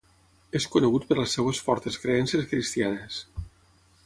És conegut per les seves fortes creences cristianes.